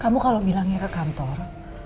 kamu kalau bilangnya ke kantor